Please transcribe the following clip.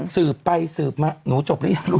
สืบไปสืบมาหนูจบหรือยังลูก